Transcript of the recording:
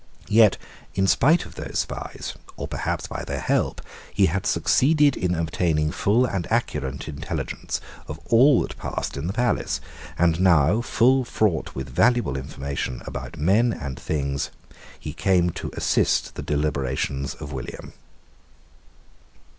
Yet, in spite of those spies, or perhaps by their help, he had succeeded in obtaining full and accurate intelligence of all that passed in the palace; and now, full fraught wrath valuable information about men and things, he came to assist the deliberations of William.